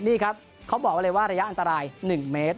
นี่ครับเขาบอกไว้เลยว่าระยะอันตราย๑เมตร